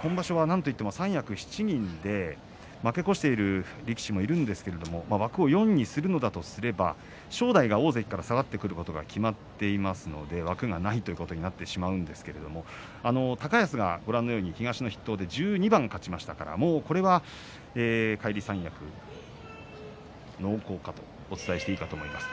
今場所はなんといっても三役７人負け越している力士もいるんですが枠を４にするんだとすれば正代が大関から下がってくることが決まっていますので枠がないということになってしまうんですが高安が東の筆頭で１２番勝ちましたからこれはもう返り三役濃厚かとお伝えしているかと思います。